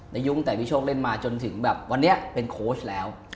ยุ่งแต่พี่โชคเล่นมาจนถึงแบบวันนี้เป็นโค้ชแล้ว